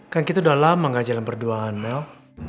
kan kita udah lama gak jalan berduaan mel